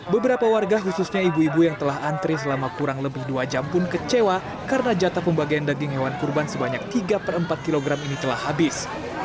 beberapa warga khususnya ibu ibu yang telah antri selama kurang lebih dua jam pun kecewa karena jatah pembagian daging hewan kurban sebanyak tiga per empat kg ini telah habis